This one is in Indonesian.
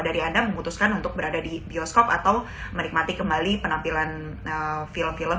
dari anda memutuskan untuk berada di bioskop atau menikmati kembali penampilan film film